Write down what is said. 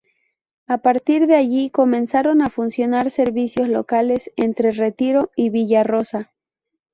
A partir de allí comenzaron a funcionar servicios locales entre Retiro y Villa Rosa.